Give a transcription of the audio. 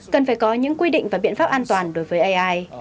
cần phải có những quy định và biện pháp an toàn đối với ai